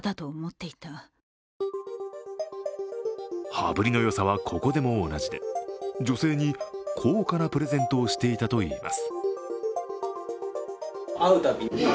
羽振りの良さはここでも同じで女性に高価なプレゼントをしていたといいます。